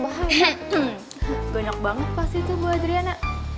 gak enak banget pasti tuh bu adriana